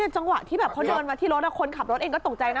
จังหวะที่แบบเขาเดินมาที่รถคนขับรถเองก็ตกใจนะ